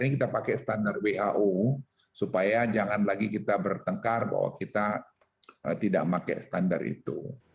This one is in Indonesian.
ini kita pakai standar who supaya jangan lagi kita bertengkar bahwa kita tidak pakai standar itu